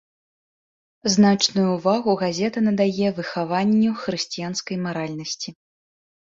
Значную ўвагу газета надае выхаванню хрысціянскай маральнасці.